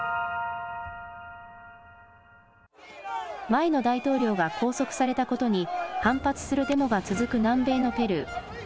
前の大統領が拘束されたことに反発するデモが続く南米のペルー。